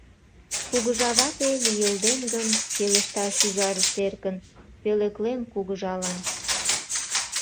«Кугыжа вате лийылдем гын, Пелешта шӱжарышт эркын, Пӧлеклем кугыжалан